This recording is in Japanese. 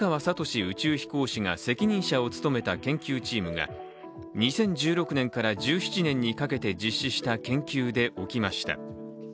宇宙飛行士が責任者を務めた研究チームが２０１６年から１７年にかけて実施した研究で起きました。